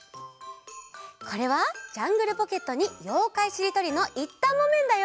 これは「ジャングルポケット」に「ようかいしりとり」のいったんもめんだよ！